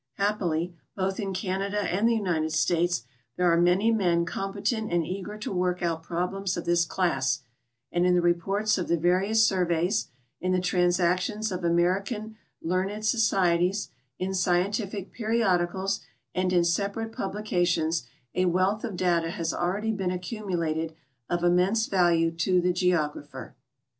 Happily, both in Canada and the United States there are man3''nien competent and eager to work out problems of this class, and in the reports of the various surveys, in the transactions of American learned societies, in scientific periodicals, and in sepa rate publications, a wealth of data has already been accumulated of immense value to the geographer.